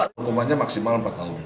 muhammadah waximal empat tahun